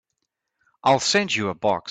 I'll send you a box.